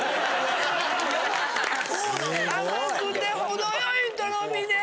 甘くて程良いとろみで。